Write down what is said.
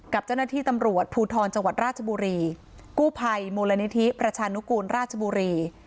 กับเจ้าหน้าที่ตำรวจภูทรจังหวัดราชบุรีกู้ภัยมูลนิธิประชานุกูลราชบุรี